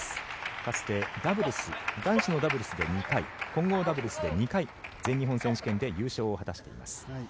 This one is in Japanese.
かつて男子のダブルスで２回混合ダブルスで２回全日本選手権で優勝を果たしています。